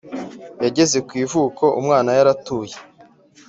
yageze kwivuko umwana yaratuye